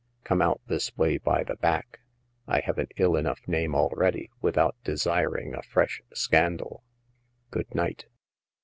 Come out this way by the back. I have an ill enough name already, without desiring a fresh scandal. Good night."